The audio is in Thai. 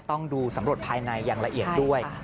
ต้องดูสำรวจภายในอย่างละเอียดด้วย